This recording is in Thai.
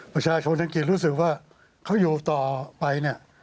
ประชาชนอังกฤษรู้สึกว่าเขาอยู่ต่อไปเนี่ย